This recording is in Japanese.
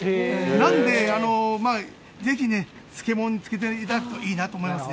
なんでぜひ漬物に漬けていただくといいなと思いますね。